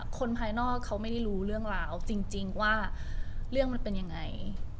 คนภายนอกเขาไม่ได้รู้เรื่องราวจริงว่าเรื่องมันเป็นยังไง